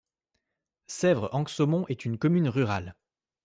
Sèvres-Anxaumont est une commune rurale.